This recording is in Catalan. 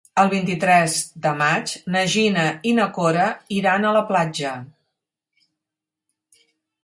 El vint-i-tres de maig na Gina i na Cora iran a la platja.